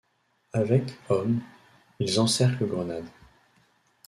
Avec hommes, ils encerclent Grenade.